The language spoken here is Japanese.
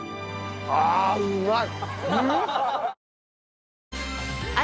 あうまい！